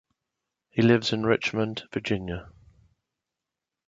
He lives in Richmond, Virginia.